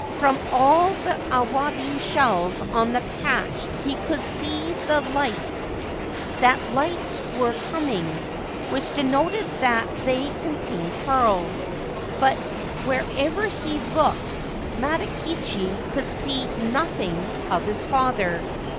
From all the awabi shells on the patch he could see that lights were coming, which denoted that they contained pearls ; but wherever he looked Matakichi could see nothing of his father.